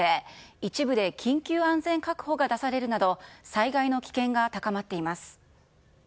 一部で緊急安全確保が出されるなど災害の危険が高まっています。